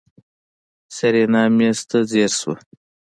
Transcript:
سېرېنا مېز ته ځير شوه.